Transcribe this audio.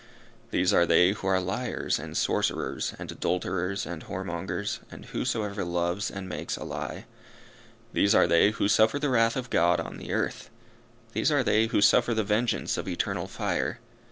These are they who are liars, and sorcerers, and adulterers, and whoremongers, and whosoever loves and makes a lie. These are they who suffer the wrath of God on the earth. These are they who suffer the vengeance of eternal fire.